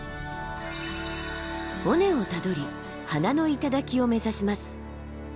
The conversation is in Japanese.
尾根をたどり花の頂を目指します。